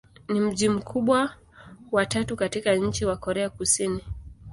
Ni mji mkubwa wa tatu katika nchi wa Korea Kusini.